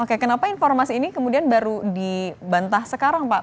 oke kenapa informasi ini kemudian baru dibantah sekarang pak